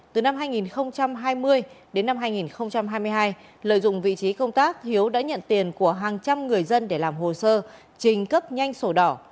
từ năm hai nghìn hai mươi đến năm hai nghìn hai mươi hai lợi dụng vị trí công tác hiếu đã nhận tiền của hàng trăm người dân để làm hồ sơ trình cấp nhanh sổ đỏ